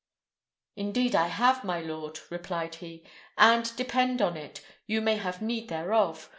"Indeed I have, my lord," replied he; "and depend on it you may have need thereof.